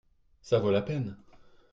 ça vaut la peine.